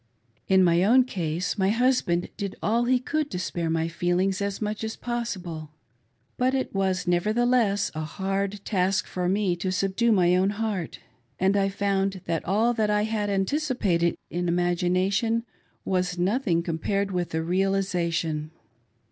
In my own case, my husband, did all he could to spare my feelings as much as possible ; but it was, nevertheless, a hard, task for me to subdue my own heart, and I found that all that I had anticipated in imagination was nothing compared with the realisation.